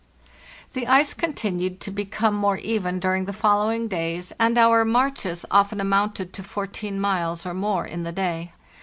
The ice continued to become more even during the following days, and our marches often amounted to 14 miles or more in the day.